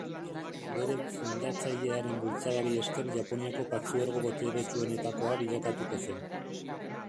Bere fundatzailearen bultzadari esker Japoniako partzuergo boteretsuenetakoa bilakatuko zen.